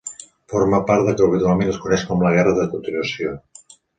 Forma part del que habitualment es coneix com la Guerra de Continuació.